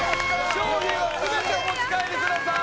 商品は全てお持ち帰りください